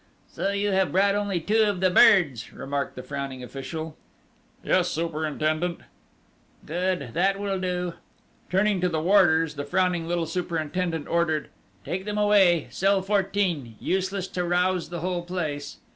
"So you have brought only two of the birds?" remarked the frowning official. "Yes, superintendent." "Good, that will do!..." Turning to the warders, the frowning little superintendent ordered: "Take them away!... Cell 14.... Useless to rouse the whole place!"